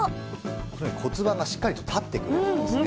このように骨盤がしっかりと立ってくれるんですね。